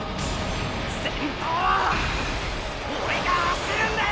先頭はオレが走るんだよ！